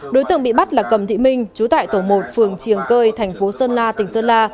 đối tượng bị bắt là cầm thị minh chú tại tổ một phường triềng cơi thành phố sơn la tỉnh sơn la